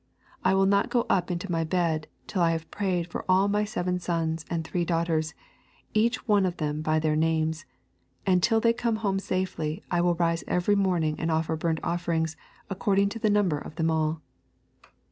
I will not go up into my bed till I have prayed for all my seven sons and three daughters, each one of them by their names; and till they come home safely I will rise every morning and offer burnt offerings according to the number of them all.